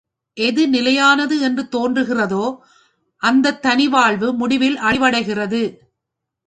எது நிலையானது என்று தோன்றுகிறதோ, அந்தத தனி வாழ்வு முடிவில் அழிவடைகிறது.